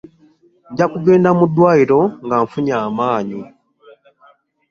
Nja kugenda mu ddwaliro nga nfunye amaanyi.